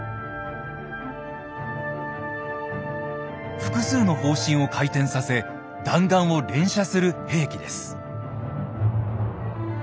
複数の砲身を回転させ弾丸を連射する兵器です。